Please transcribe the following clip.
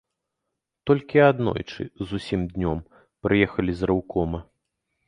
Толькі аднойчы, зусім днём, прыехалі з рэўкома.